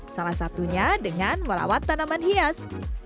salah satunya dengan merawat tanaman hias